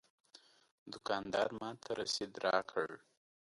دوکاندار ماته رسید راکړ.